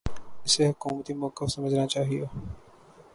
اسے حکومتی موقف سمجھنا چاہیے۔